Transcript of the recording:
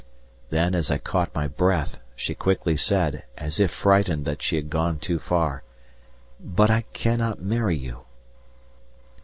Then, as I caught my breath, she quickly said, as if frightened that she had gone too far, "But I cannot marry you."